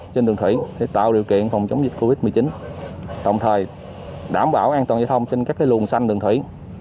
trên đường thủy tạo điều kiện phòng chống dịch covid một mươi chín đồng thời đảm bảo an toàn giao thông trên các luồng xanh đường thủy